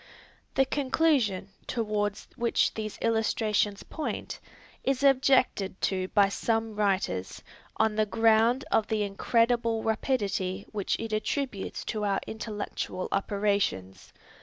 The conclusion, toward which these illustrations point, is objected to by some writers, on the ground of the incredible rapidity which it attributes to our intellectual operations.